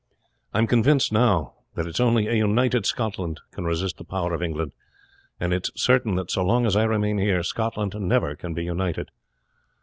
I am convinced now that it is only a united Scotland can resist the power of England, and it is certain that so long as I remain here Scotland never can be united.